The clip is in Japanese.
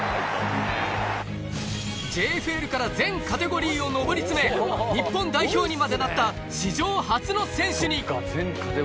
ＪＦＬから全カテゴリーを上り詰め、日本代表にまでなった、史上初の選手に。